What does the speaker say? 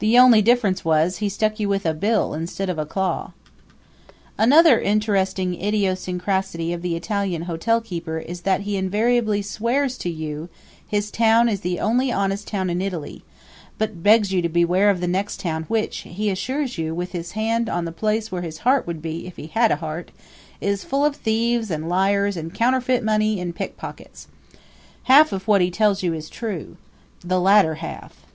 The only difference was, he stuck you with a bill instead of a claw. Another interesting idiosyncrasy of the Italian hotelkeeper is that he invariably swears to you his town is the only honest town in Italy, but begs you to beware of the next town which, he assures you with his hand on the place where his heart would be if he had a heart, is full of thieves and liars and counterfeit money and pickpockets. Half of what he tells you is true the latter half.